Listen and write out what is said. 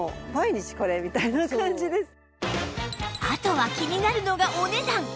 あとは気になるのがお値段